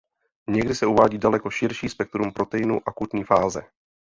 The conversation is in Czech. Někdy se uvádí daleko širší spektrum proteinů akutní fáze.